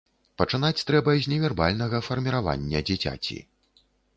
Пачынаць трэба з невербальнага фарміравання дзіцяці.